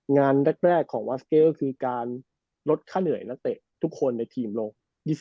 งานแรกของวาสเกลก็คือการลดค่าเหนื่อยนักเตะทุกคนในทีมโลก